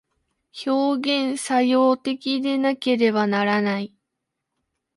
表現作用的でなければならない。